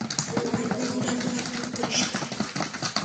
আমার মন এখন একদম পরিষ্কার।